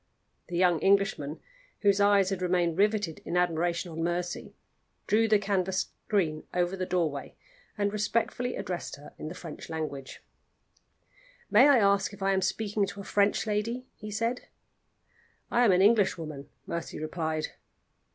The young Englishman, whose eyes had remained riveted in admiration on Mercy, drew the canvas screen over the doorway and respectfully addressed her in the French language. "May I ask if I am speaking to a French lady?" he said. "I am an Englishwoman," Mercy replied.